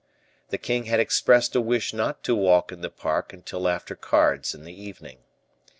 The king had expressed a wish not to walk in the park until after cards in the evening.